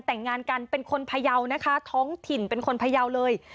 แต่งงานกันเป็นคนพยาวนะคะท้องถิ่นเป็นคนพยาวเลย